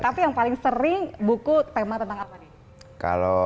tapi yang paling sering buku tema tentang apa nih